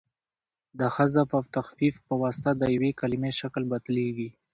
د حذف او تخفیف په واسطه هم د یوې کلیمې شکل بدلیږي.